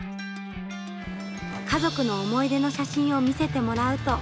家族の思い出の写真を見せてもらうと。